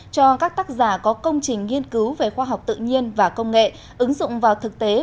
cho các tác giả có công trình nghiên cứu về khoa học tự nhiên và công nghệ ứng dụng vào thực tế